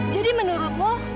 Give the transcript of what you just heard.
jadi menurut lo